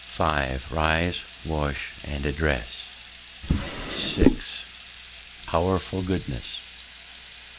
{ 5} Rise, wash, and address { 6} Powerful Goodness!